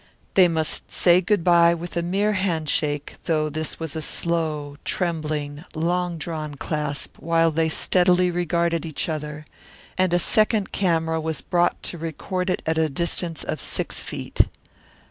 They must say good by with a mere handshake, though this was a slow, trembling, long drawn clasp while they steadily regarded each other, and a second camera was brought to record it at a distance of six feet.